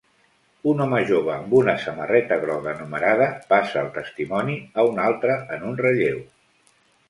Un home jove amb una samarreta groga numerada passa el testimoni a un altre en un relleu.